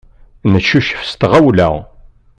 Neccucef s tɣawla.